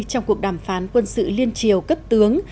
trong cuộc đàm phán quân sự liên triều cấp tướng